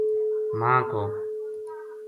ماں ک